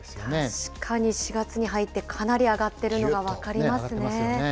確かに４月に入ってかなり上がっているのが分かりますよね。